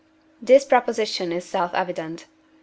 This proposition is self evident.